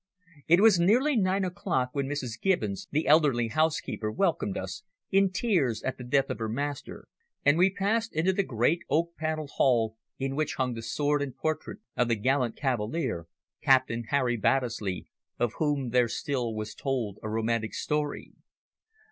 It was nearly nine o'clock when Mrs. Gibbons, the elderly housekeeper, welcomed us, in tears at the death of her master, and we passed into the great oak panelled hall in which hung the sword and portrait of the gallant cavalier. Captain Harry Baddesley, of whom there still was told a romantic story.